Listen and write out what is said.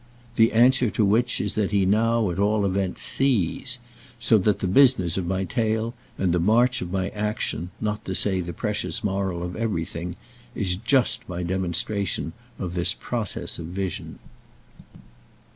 The answer to which is that he now at all events sees; so that the business of my tale and the march of my action, not to say the precious moral of everything, is just my demonstration of this process of vision.